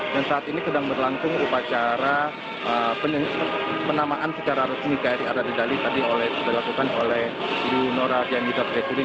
dan saat ini sedang berlangsung upacara penamaan secara resmi kri arda dedali tadi sudah dilakukan oleh ibu nora ria miza triakudu